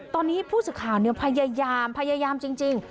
ตอนนี้ผู้สื่อข่าวพยายามจริง